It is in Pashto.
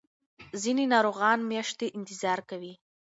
ځینې ناروغان میاشتې انتظار کوي.